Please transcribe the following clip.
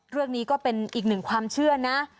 เรื่องนี้ก็เป็นอีกหนึ่งความเชื่อนะ